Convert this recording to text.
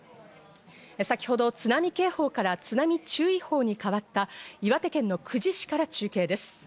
先ほど津波警報から津波注意報に変わった、岩手県の久慈市から中継です。